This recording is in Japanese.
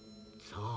さあ。